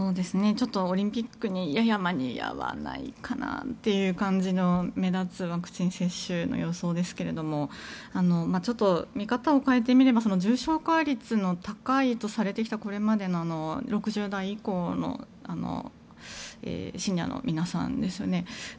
オリンピックにやや間に合わないかなという感じの目立つワクチン接種の様相ですけれどもちょっと見方を変えてみれば重症化率の高いとされてきたこれまでの６０代以降のシニアの皆さんですよね。